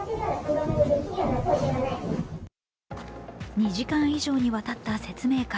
２時間以上にわたった説明会。